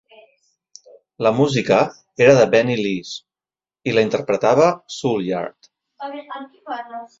La música era de Benni Lees i la interpretava Soulyard.